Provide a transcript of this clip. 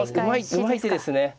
うまい手ですね。